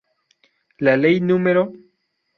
La Ley núm.